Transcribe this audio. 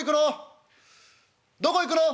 「どこ行くの？